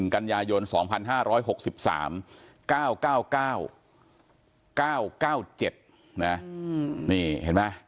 กันยายน๒๕๖๓๙๙๙๙๗นะนี่เห็นไหม